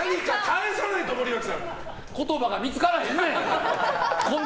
言葉が見つからへんねん！